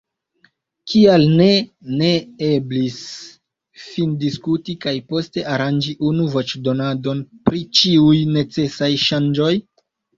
Kial ne ne eblis findiskuti kaj poste aranĝi unu voĉdonadon pri ĉiuj necesaj ŝanĝoj?